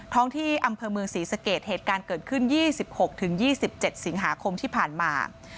ที่อำเภอเมืองศรีสะเกดเหตุการณ์เกิดขึ้น๒๖๒๗สิงหาคมที่ผ่านมา